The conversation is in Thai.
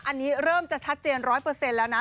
อันนี้เริ่มจะชัดเจน๑๐๐แล้วนะ